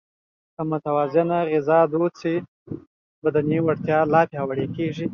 که متوازنه تغذیه دود شي، بدني وړتیا پیاوړې کېږي.